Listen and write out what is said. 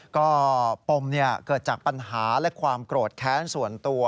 ก็ปมเกิดจากปัญหาและความโกรธแค้นส่วนตัว